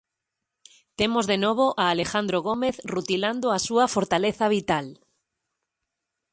Temos, de novo, a Alejandro Gómez rutilando a súa fortaleza vital.